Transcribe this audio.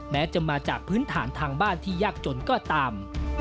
แม้จะมาจากพื้นฐานทางบ้านที่ยากจนก็ตาม